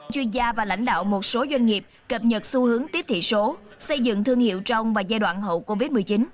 chuyên gia và lãnh đạo một số doanh nghiệp cập nhật xu hướng tiếp thị số xây dựng thương hiệu trong và giai đoạn hậu covid một mươi chín